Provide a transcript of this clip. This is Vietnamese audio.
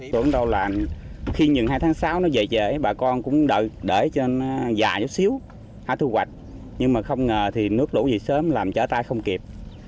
và khi những hai tháng sáu nó về trễ bà con cũng đợi cho nó dài chút xíu thu hoạch nhưng mà không ngờ thì nước lũ về sớm làm trở tay không kịp